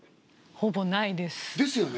ほぼないです。ですよね。